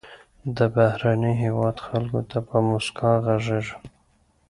د بهرني هېواد خلکو ته په موسکا غږیږه.